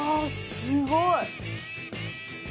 すごい。